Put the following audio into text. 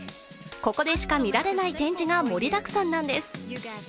ここでしか見られない展示が盛りだくさんなんです。